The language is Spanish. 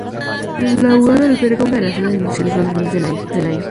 El lugar alberga una de las zonas industriales más grandes de la isla.